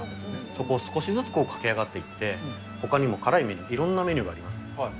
そこを少しずつ駆け上がっていって、ほかにも辛い麺、いろんなメニューがあります。